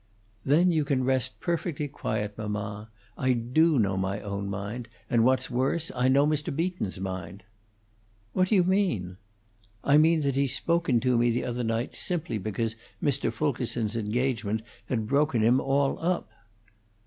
"Then you can rest perfectly quiet, mamma. I do know my own mind; and, what's worse, I know Mr. Beaton's mind." "What do you mean?" "I mean that he spoke to me the other night simply because Mr. Fulkerson's engagement had broken him all up."